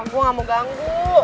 gue gak mau ganggu